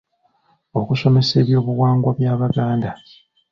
Okusomesa ebyobuwangwa by’Abaganda.